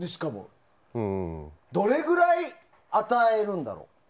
どれぐらい与えるんだろう。